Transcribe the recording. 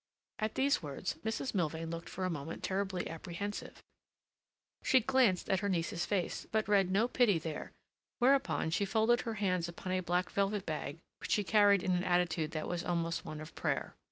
At these words Mrs. Milvain looked for a moment terribly apprehensive; she glanced at her niece's face, but read no pity there, whereupon she folded her hands upon a black velvet bag which she carried in an attitude that was almost one of prayer.